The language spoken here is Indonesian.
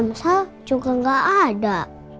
amsal juga nggak ada